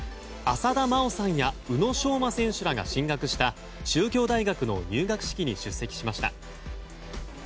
浅田真央さんや宇野昌磨選手らが進学した中京大学の入学式に出席しました。